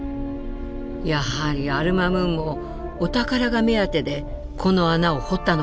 やはりアル・マムーンもお宝が目当てでこの穴を掘ったのかしらね？